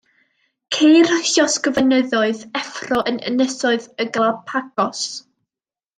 Ceir llosgfynyddoedd effro yn Ynysoedd y Galapagos.